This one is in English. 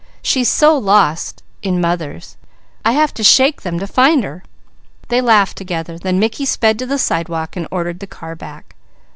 She's so lost in mother's, I have to shake them to find her!" They laughed together, then Mickey sped to the sidewalk and ordered the car back.